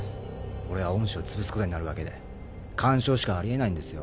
俺は恩師を潰すことになるわけで完勝しかありえないんですよ